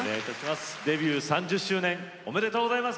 デビュー３０周年おめでとうございます。